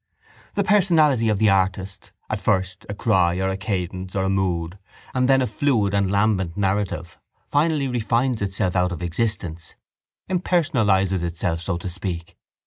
The personality of the artist, at first a cry or a cadence or a mood and then a fluid and lambent narrative, finally refines itself out of existence, impersonalizes itself, so to speak.